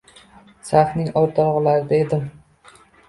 Safning oʻrtaroqlarida edim.